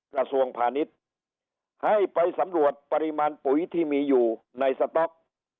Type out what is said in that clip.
กระทรวงพาณิชย์ให้ไปสำรวจปริมาณปุ๋ยที่มีอยู่ในสต๊อก